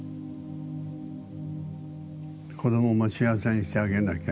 子どもも幸せにしてあげなきゃ。